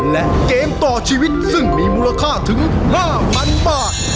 และเกมต่อชีวิตซึ่งมีมูลค่าถึง๕๐๐๐บาท